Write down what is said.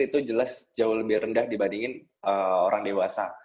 itu jelas jauh lebih rendah dibandingin orang dewasa